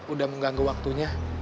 udah mengganggu waktunya